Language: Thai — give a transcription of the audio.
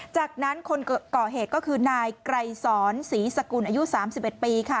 จากนั้นคนก่อเหตุก็คือนายไกรสอนศรีสกุลอายุ๓๑ปีค่ะ